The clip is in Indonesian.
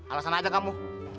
alasan aja kamu